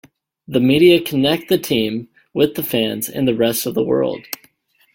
The media connect the team, with the fans and the rest of the world.